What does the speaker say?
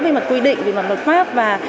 về mặt quy định về mặt luật pháp và